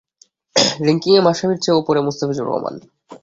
র্যাঙ্কিংয়ে মাশরাফির চেয়েও ওপরে মোস্তাফিজুর রহমান।